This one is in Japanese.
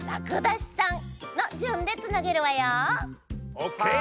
オッケー。